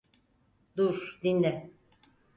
Dur, dinle.